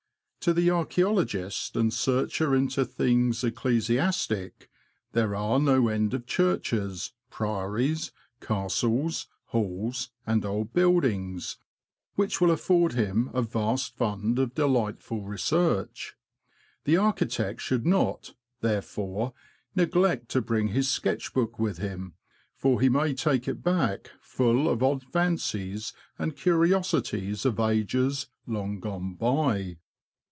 To the archaeologist and searcher into things ecclesi astic, there are no end of churches, priories, castles, halls, and old buildings, which will afford him a vast fund of delightful research. The architect should not, therefore, neglect to bring his sketch book with him, for he may take it back full of odd fancies and curiosities of ages long gone by.